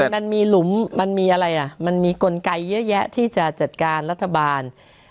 มันมีหลุมมันมีอะไรอ่ะมันมีกลไกเยอะแยะที่จะจัดการรัฐบาล